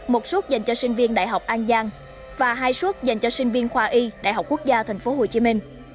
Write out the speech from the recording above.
một suất dành cho sinh viên đại học an giang và hai suốt dành cho sinh viên khoa y đại học quốc gia tp hcm